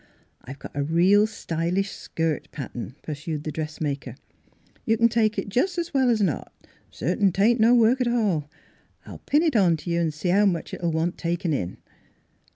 " I've got a real stylish skirt pattern," pursued the dressmaker ;" you c'n take it jus' 's well 's not, 'tain't no work at all. I'll pin it on t' you t' see how much it'll want takin' in."